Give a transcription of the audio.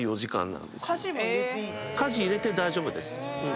家事入れて大丈夫です。